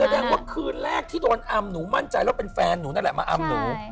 ว่าคืนแรกที่โดนอำหนูมั่นใจแล้วเป็นแฟนหนูนั่นแหละมาอำหนู